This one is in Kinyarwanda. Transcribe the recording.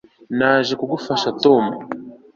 Naje kugufasha Tom